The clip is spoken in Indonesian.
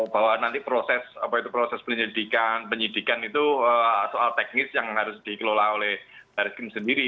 bahwa nanti proses penyidikan itu soal teknis yang harus dikelola oleh redkrim sendiri